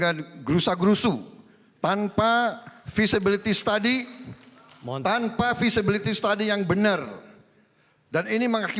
saya rasa kalau bekerja sama pak jokowi nasty acontecendo juga besar bangunan hubungan ikan itu